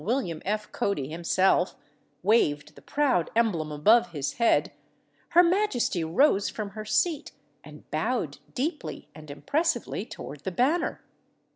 William F. Cody himself, waved the proud emblem above his head, her majesty rose from her seat and bowed deeply and impressively toward the banner.